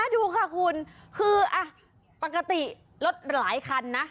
ดูค่ะคุณคือปกติรถหลายคันนะ